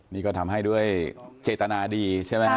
นี่ก็ทำให้ด้วยเจตนาดีใช่ไหมฮะ